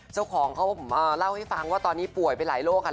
เจ้าของเขาเล่าให้ฟังว่าตอนนี้ป่วยไปหลายโรคค่ะ